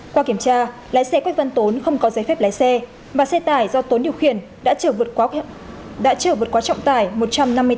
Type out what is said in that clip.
qua kiểm tra lái xe quách văn tốn không có giấy phép lái xe mà xe tải do tốn điều khiển đã trở vượt quá trọng tải một trăm năm mươi tám